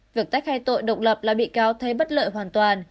việc tách khai tội độc lập là bị cáo thấy bất lợi hoàn toàn